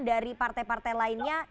dari partai partai lainnya